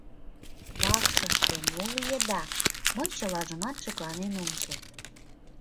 — Вакшыште мо лиеда — мый чылажымак шекланен ом керт.